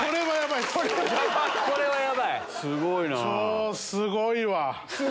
超すごいわ！